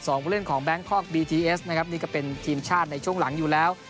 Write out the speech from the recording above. ผู้เล่นของแบงคอกบีทีเอสนะครับนี่ก็เป็นทีมชาติในช่วงหลังอยู่แล้ว